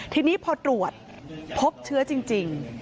ทีนี้พอตรวจพบเชื้อจริง